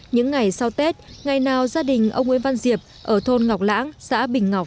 những ngày sau tết ngày nào gia đình ông nguyễn văn diệp ở thôn ngọc lãng xã bình ngọc